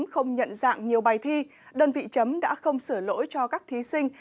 không nhận dạng nhiều bài thi đơn vị chấm đã không sửa lỗi cho các thí sinh